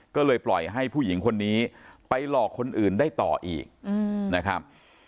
ก็เลยปล่อยให้ผู้หญิงคนนี้ไปหลอกคนอื่นได้ต่ออีกนะครับ